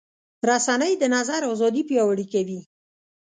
رسنۍ د نظر ازادي پیاوړې کوي.